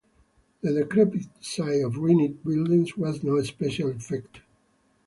The decrepit site of ruined buildings was no special effect.